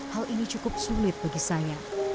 hal ini cukup sulit bagi saya